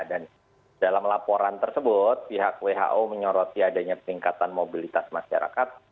dan dalam laporan tersebut pihak who menyoroti adanya peningkatan mobilitas masyarakat